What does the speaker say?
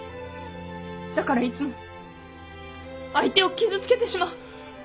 だからいつも相手を傷つけてしまう。